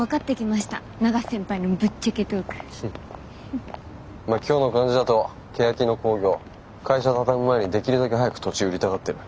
まっ今日の感じだとけやき野興業会社畳む前にできるだけ早く土地売りたがってる。